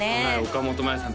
岡本真夜さん